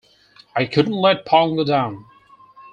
I couldn't let Pongo down.